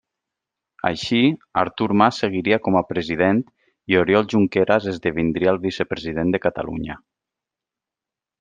Així, Artur Mas seguiria com a president, i Oriol Junqueras esdevindria el vicepresident de Catalunya.